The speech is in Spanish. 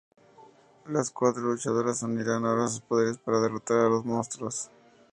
Las cuatro luchadoras unirán ahora sus poderes para derrotar a los monstruos.